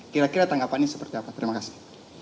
kira kira tanggapannya seperti apa terima kasih